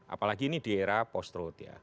apalagi ini di era post truth ya